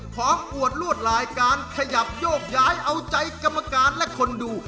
ขออวดลวดลายการขยับโยกย้ายเอาใจกรรมการและคนดู